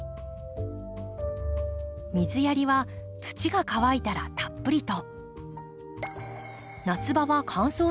水やりは土が乾いたらたっぷりと。